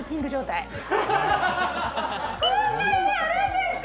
こんな家あるんですか？